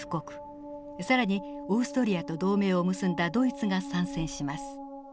更にオーストリアと同盟を結んだドイツが参戦します。